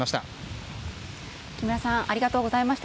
木村さんありがとうございました。